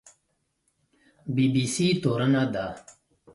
بي بي سي تورنه ده